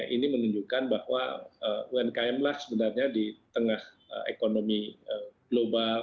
ini menunjukkan bahwa umkm lah sebenarnya di tengah ekonomi global